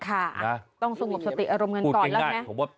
์าต้องสงบสติอารมณ์เงินก่อนแล้วนะ